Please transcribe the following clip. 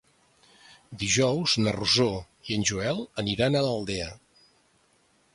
Dijous na Rosó i en Joel aniran a l'Aldea.